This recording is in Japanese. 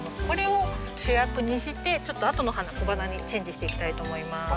これを主役にしてちょっとあとの花小花にチェンジしていきたいと思います。